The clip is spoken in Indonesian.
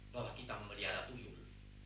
bahwa kita memelihara tuyul